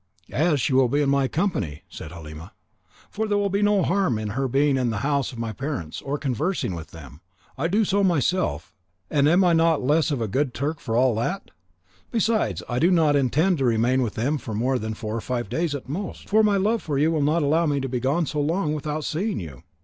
"As she will be in my company," said Halima, "there will be no harm in her being in the house of my parents, or conversing with them. I do so myself, and I am not less a good Turk for all that. Besides, I do not intend to remain with them more than four or five days at most, for my love for you will not allow me to be so long without seeing you."